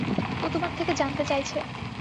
ও তোমার থেকে জানতে চাইছে।